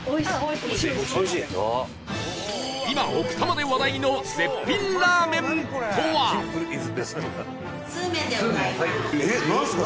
今奥多摩で話題の絶品ラーメンとは？えっなんですか？